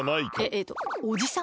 えっとおじさん？